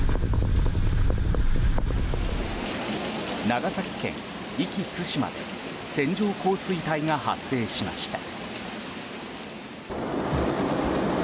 長崎県壱岐・対馬で線状降水帯が発生しました。